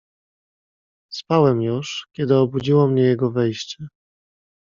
"Spałem już, kiedy obudziło mnie jego wejście."